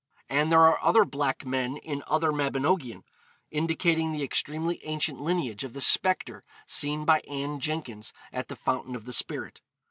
' And there are other black men in other Mabinogion, indicating the extremely ancient lineage of the spectre seen by Anne Jenkins at the Fountain of the Spirit.